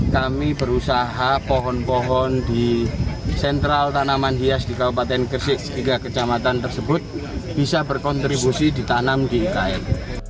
kami berusaha pohon pohon di sentral tanaman hias di kabupaten gresik tiga kecamatan tersebut bisa berkontribusi ditanam di ikn